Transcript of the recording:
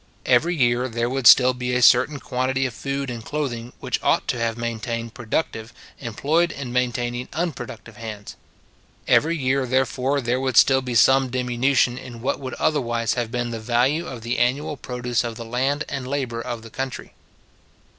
Every year there would still be a certain quantity of food and clothing, which ought to have maintained productive, employed in maintaining unproductive hands. Every year, therefore, there would still be some diminution in what would otherwise have been the value of the annual produce of the land and labour of the country.